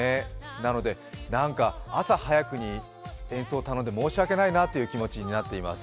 なので、なんか朝早くに演奏を頼んで申し訳ないなっていう気持ちになっています。